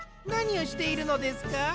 なにをしているのですか？